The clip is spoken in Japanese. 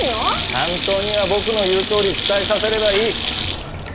担当には僕の言うとおり伝えさせればいいッ。